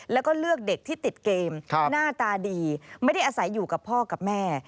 แล้วก็เลือกเด็กที่ติดเกมหน้าตาดีไม่ได้อาศัยอยู่กับพ่อกับแม่